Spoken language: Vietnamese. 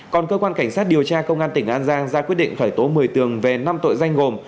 còn cơ quan cảnh sát điều tra công an tỉnh an giang ra quyết định khởi tố một mươi tường về năm tội danh gồm